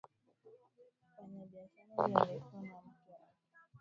mfanyabishara huyo alikuwa na mke wake ida strauss